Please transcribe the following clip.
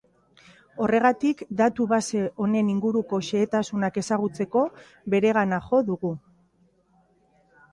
Horregatik, datu base horren inguruko xehetasunak ezagutzeko, beregana jo dugu.